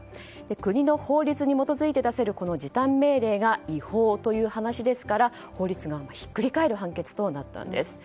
国の法律に基づいて出せる時短命令が違法という話ですから、法律がひっくり返る判決となったんです。